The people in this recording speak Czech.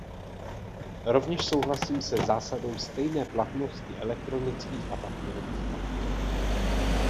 Rovněž souhlasím se zásadou stejné platnosti elektronických a papírových faktur.